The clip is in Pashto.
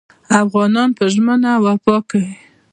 افغانان په ژمنه وفا کوي.